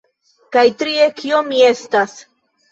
Kaj trie kio mi estas